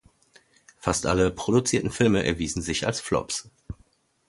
Fast alle produzierten Filme erwiesen sich als Flops.